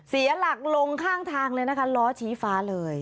เสียหลักลงข้างทางเลยนะคะล้อชี้ฟ้าเลย